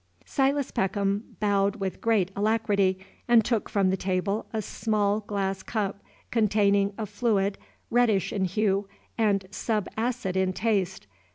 Silas Peckham bowed with great alacrity, and took from the table a small glass cup, containing a fluid reddish in hue and subacid in taste.